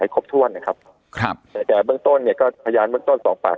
ครบถ้วนนะครับครับแต่เบื้องต้นเนี่ยก็พยานเบื้องต้นสองปาก